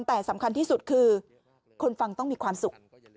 แต่สำคัญที่สุดคือคนฟังต้องมีความสุข